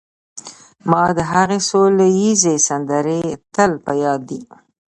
ما د هغې سوله ییزې سندرې تل په یاد دي